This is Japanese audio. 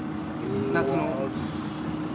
夏の。